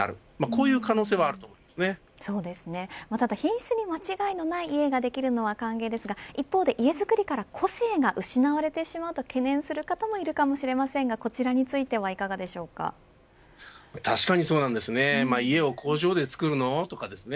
こういう可能性は品質に間違いのない家ができるのは歓迎ですが一方で家作りから個性が失われてしまうと懸念する方もいるかもしれませんがこちらについてはいかがですか。